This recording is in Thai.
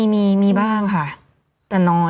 มีบ้างค่ะแต่น้อย